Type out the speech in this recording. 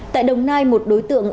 tại đồng nai một đối tượng